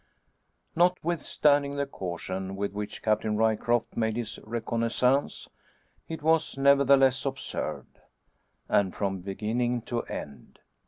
Notwithstanding the caution with which Captain Ryecroft made his reconnaissance, it was nevertheless observed. And from beginning to end.